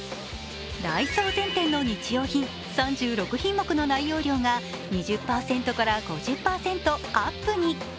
ダイソー全店の日用品、３６品目の内容量が２０％から５０％アップに。